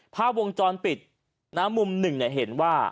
ภาพวงจรปิดมุมหนึ่งเห็นว่า